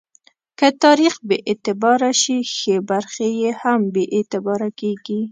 که تاریخ بې اعتباره شي، ښې برخې یې هم بې اعتباره کېږي.